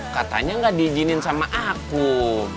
katanya gak diijinin sama akum